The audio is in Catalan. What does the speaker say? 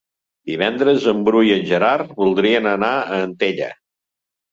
Divendres en Bru i en Gerard voldrien anar a Antella.